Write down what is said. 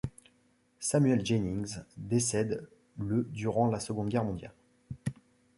Samuel Jennings décède le durant la Seconde Guerre mondiale.